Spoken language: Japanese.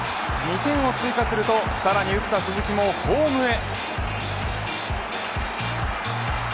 ２点を追加するとさらに打った鈴木もホームへ。